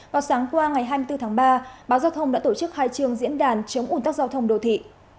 vào sáng qua ngày hai mươi bốn tháng ba báo giao thông đã tổ chức hai trường diễn đàn chống ủn tắc giao thông đồ thị